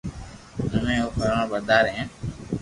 امي او فرمابردار ھين